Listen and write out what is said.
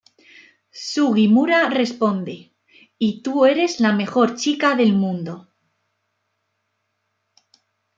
Sugimura responde, "...Y tú eres la mejor chica del mundo".